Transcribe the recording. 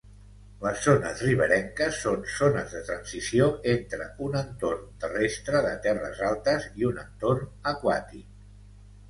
Les zones riberenques són zones de transició entre un entorn terrestre de terres altes i un entorn aquàtic.